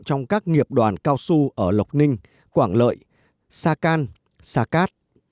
trong các nghiệp đoàn cao su ở lộc ninh quảng lợi sa can sa cát